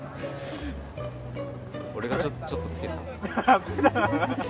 俺がちょっとつけた。